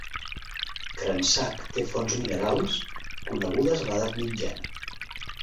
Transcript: Cransac té fonts minerals, conegudes a l'edat mitjana.